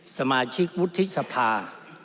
สมาชิกวุฒิสภา